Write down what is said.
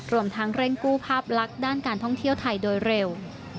รวมทั้งเร่งกู้ภาพลักษณ์ด้านการท่องเที่ยวไทยโดยเร็ว